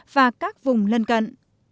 và các vùng lân cận